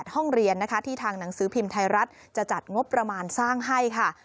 ห้องเรียนนะคะที่ทางหนังสือพิมพ์ไทยรัฐจะจัดงบประมาณสร้างให้ค่ะ